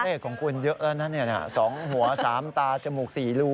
เทพของคุณเยอะแล้วนั่นเนี่ยสองหัวสามตาจมูกสี่รู